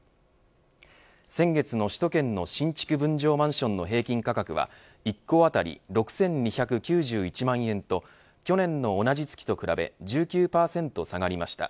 先月の首都圏の新築分譲マンションの平均価格は一戸当たり６２９１万円と去年の同じ月と比べて１９％下がりました。